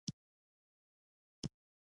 مسافر لالیه وطن ته کله راځې؟